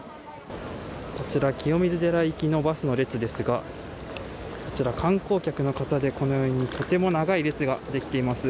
こちら清水寺行きのバスの列ですが観光客の方でとても長い列ができています。